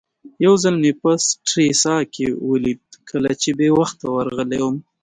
یو ځل مې په سټریسا کې ولید کله چې بې وخته ورغلی وم.